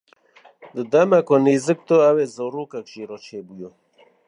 Di demeke nêzik de ew ê zarokek jê re çêbûya.